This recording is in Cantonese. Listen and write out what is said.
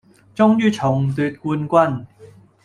終於重奪冠軍